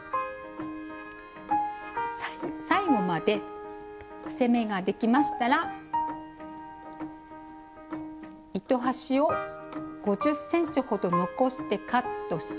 最後まで伏せ目ができましたら糸端を５０ｃｍほど残してカットして下さい。